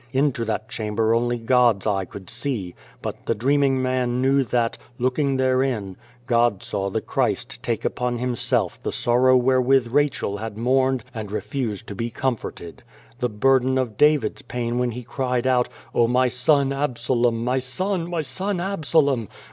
Into that chamber only God's eye could see, but the dreaming man knew that, looking therein, God saw the Christ take upon Himself The Face the sorrow wherewith Rachel had mourned and refused to be comforted, the burden of David's pain when he cried out :" O my son Absalom, my son, my son Absalom.